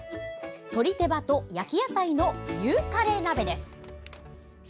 鶏手羽と焼き野菜の乳カレー鍋です。